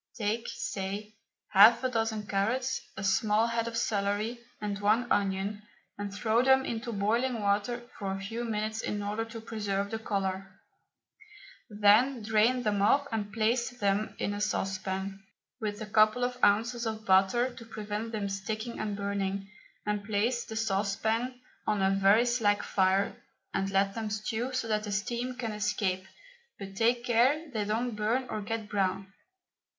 Take, say, half a dozen carrots, a small head of celery, and one onion, and throw them into boiling water for a few minutes in order to preserve the colour. Then drain them off and place them in a saucepan, with a couple of ounces of butter to prevent them sticking and burning, and place the saucepan on a very slack fire and let them stew so that the steam can escape, but take care they don't burn or get brown.